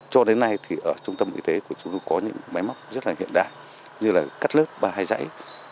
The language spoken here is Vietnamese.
cho đến nay thì ở trung tâm y tế của chúng tôi có những máy móc rất là hiện đại